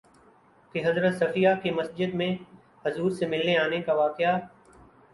کہ حضرت صفیہ کے مسجد میں حضور سے ملنے آنے کا واقعہ